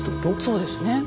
そうですね。